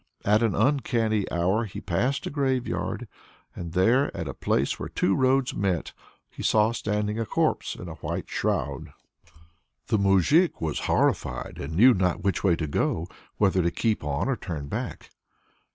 At an uncanny hour he passed by a graveyard, and there, at a place where two roads met, he saw standing a corpse in a white shroud. The moujik was horrified, and knew not which way to go whether to keep on or to turn back.